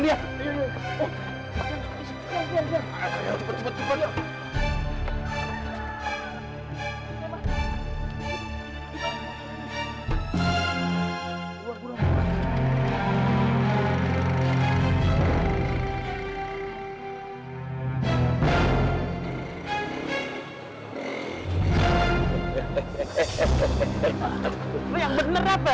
lo yang bener rafa